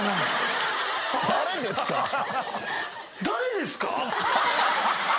誰ですか？